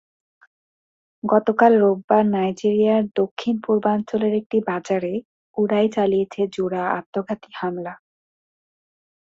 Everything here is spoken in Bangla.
গতকাল রোববার নাইজেরিয়ার দক্ষিণ পূর্বাঞ্চলের একটি বাজারে ওরাই চালিয়েছে জোড়া আত্মঘাতী হামলা।